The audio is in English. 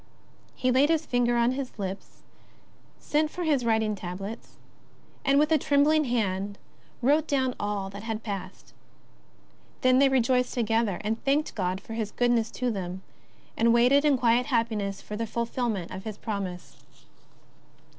He laid his finger on his lips, sent for his writing tablets, and, with a tremb ling hand, wrote do\^m all that had passed. Then they rejoiced together, and thanked God for His goodness to them, and waited in quiet happiness for the fulfilment of His promise.